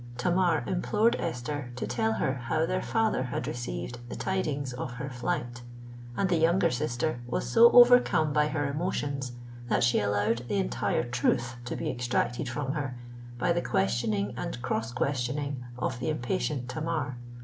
Tamar implored Esther to tell her how their father had received the tidings of her flight; and the younger sister was so overcome by her emotions, that she allowed the entire truth to be extracted from her by the questioning and cross questioning of the impatient Tamar.